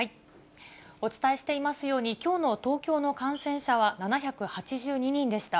お伝えしていますように、きょうの東京の感染者は７８２人でした。